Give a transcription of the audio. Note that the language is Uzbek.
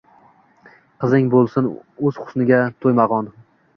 Qizing bo’lsin o’z husniga to’ymag’on